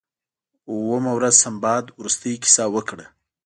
اوومه ورځ سنباد وروستۍ کیسه وکړه.